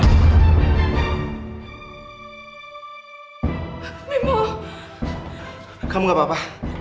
kita keluar ya